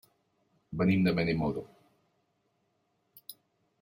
Venim de Benimodo.